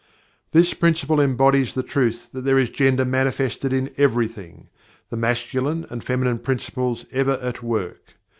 This Principle embodies the truth that there is GENDER manifested in everything the Masculine and Feminine Principles ever at work.